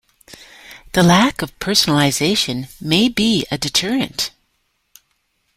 The lack of personalization may be a deterrent.